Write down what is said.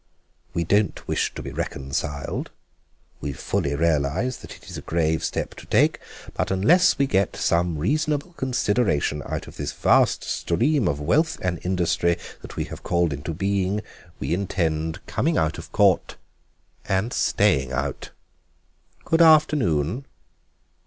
We don't wish to be reconciled; we fully realise that it is a grave step to take, but unless we get some reasonable consideration out of this vast stream of wealth and industry that we have called into being we intend coming out of court and staying out. Good afternoon."